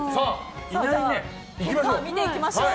結果を見ていきましょう。